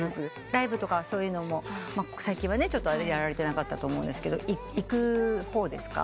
ライブとかそういうのも最近はやられてなかったと思うんですが行く方ですか？